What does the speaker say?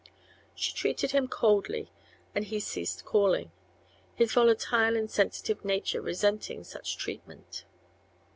She treated him coldly and he ceased calling, his volatile and sensitive nature resenting such treatment.